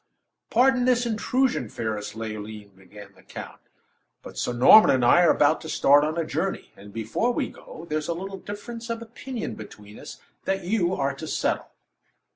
"Pardon this intrusion, fairest Leoline," began the count, "but Sir Norman and I are about to start on a journey, and before we go, there is a little difference of opinion between us that you are to settle."